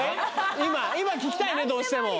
今聞きたいねどうしても。